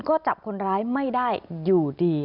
ก็จับคนร้ายไม่ได้อยู่ดี